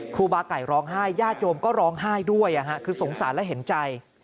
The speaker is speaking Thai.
ครูบาไก่ร้องไห้ญาติโยมก็ร้องไห้ด้วยคือสงสารและเห็นใจ